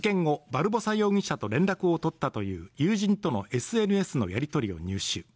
バルボサ容疑者と連絡を取ったという友人とのＳＮＳのやり取りを入手